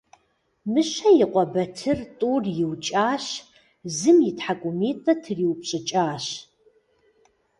Мыщэ и къуэ Батыр тӀур иукӀащ, зым и тхьэкӀумитӀыр триупщӀыкӀащ.